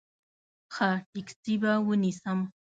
ښه ټیکسي به ونیسم.